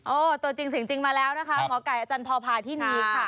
โอ้ตัวจริงมาแล้วนะคะหมอไก่อาจารย์พอพาธินีค่ะ